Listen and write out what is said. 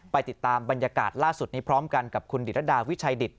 ติดตามบรรยากาศล่าสุดนี้พร้อมกันกับคุณดิรดาวิชัยดิต